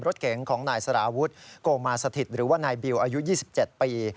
รถเก๋งของนายสารวุฒิโกมาสถิตหรือว่านายบิวอายุ๒๗ปี